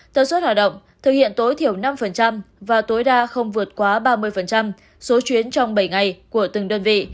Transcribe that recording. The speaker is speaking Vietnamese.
tần suất hoạt động thực hiện tối thiểu năm và tối đa không vượt quá ba mươi số chuyến trong bảy ngày của từng đơn vị